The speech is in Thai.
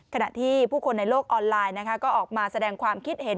ขณะที่ผู้คนในโลกออนไลน์ก็ออกมาแสดงความคิดเห็น